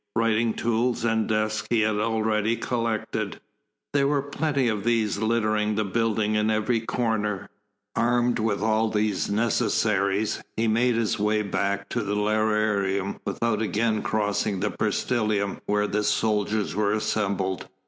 Writing tools and desk he had already collected; there were plenty of these littering the building in every corner. Armed with all these necessaries, he made his way back to the lararium without again crossing the peristylium where the soldiers were assembled.